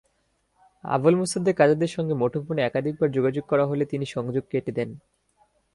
আবুল মোসাদ্দেক আজাদের সঙ্গে মুঠোফোনে একাধিকবার যোগাযোগ করা হলে তিনি সংযোগ কেটে দেন।